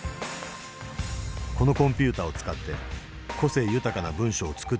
このコンピューターを使って個性豊かな文章を作ってほしい。